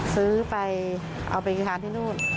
ซื้อไปเอาไปทานที่นู่น